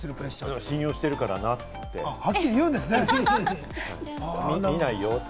信用してるからなって言って。